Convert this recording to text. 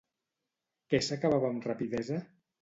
Què s'acabava amb rapidesa?